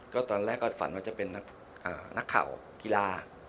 ก็ตอนแรกก็ฝันว่าจะเป็นนักข่าวกีฬา